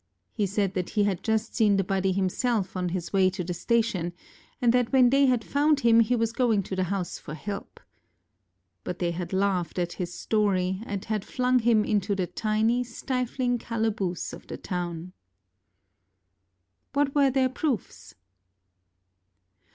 He said that he had just seen the body himself on his way to the station, and that when they had found him he was going to the house for help. But they had laughed at his story and had flung him into the tiny, stifling calaboose of the town. What were their proofs?